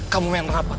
kamu main rapat